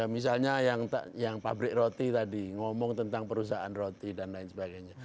misalnya yang pabrik roti tadi ngomong tentang perusahaan roti dan lain sebagainya